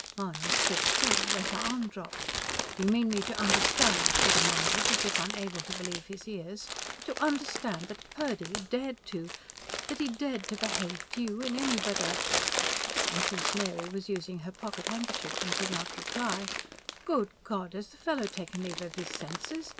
Mahony stood still; let her arm drop. "Do you mean me to understand," he demanded, as if unable to believe his ears: "to understand that Purdy... dared to... that he dared to behave to you in any but a " And since Mary was using her pocket handkerchief and could not reply: "Good God! Has the fellow taken leave of his senses?